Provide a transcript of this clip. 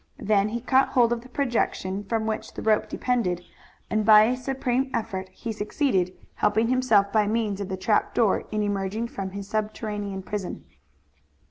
Then he caught hold of the projection from which the rope depended, and by a supreme effort he succeeded, helping himself by means of the trap door in emerging from his subterranean prison.